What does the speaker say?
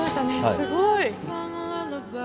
すごい。